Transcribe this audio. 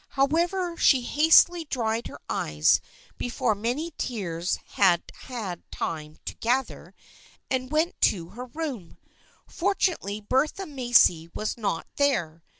However she hastily dried her eyes before many tears had had time to gather, and went to THE FRIENDSHIP OF ANNE 149 her room. Fortunately Bertha Macy was not there.